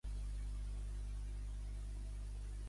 Aquest és l'únic salut que ens ha pervingut escrit per una dona.